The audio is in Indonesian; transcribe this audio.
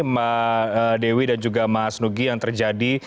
mbak dewi dan juga mas nugi yang terjadi